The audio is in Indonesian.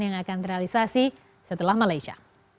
yang akan terrealisasi setelah malaysia